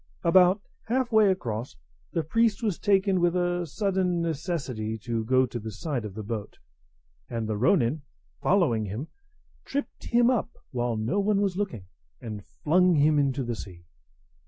About half way across, the priest was taken with a sudden necessity to go to the side of the boat; and the ronin, following him, tripped him up while no one was looking, and flung him into the sea.